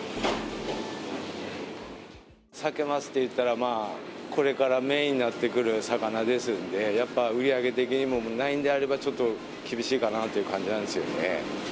サケ・マスといったら、これからメインになってくる魚ですんで、やっぱ売り上げ的にも、ないんであれば、ちょっと厳しいかなという感じなんですよね。